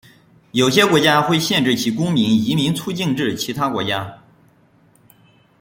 有些国家会限制其公民移民出境至其他国家。